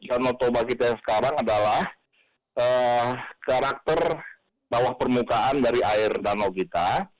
danau toba kita sekarang adalah karakter bawah permukaan dari air danau kita